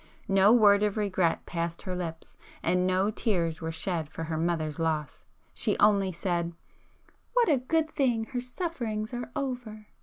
No word of regret passed her lips, and no tears were shed for her mother's loss. She only said, "What a good thing her sufferings are over!"